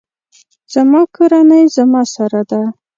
زما کورنۍ زما سره ده